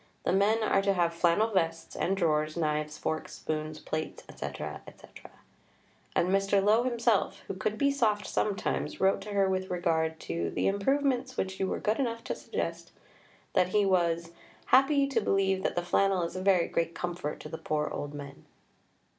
The men are to have flannel vests and drawers, knives, forks, spoons, plates, &c., &c." And Mr. Lowe himself, who could be soft sometimes, wrote to her with regard to "the improvements which you were good enough to suggest," that he was "happy to believe that the flannel is a very great comfort to the poor old men."